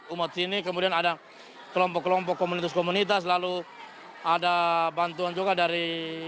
umat sini kemudian ada kelompok kelompok komunitas komunitas lalu ada bantuan juga dari